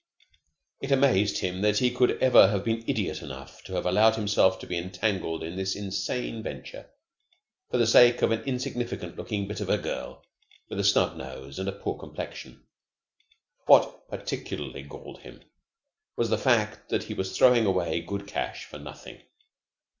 It amazed him that he could ever have been idiot enough to have allowed himself to be entangled in this insane venture for the sake of an insignificant looking bit of a girl with a snub nose and a poor complexion. What particularly galled him was the fact that he was throwing away good cash for nothing.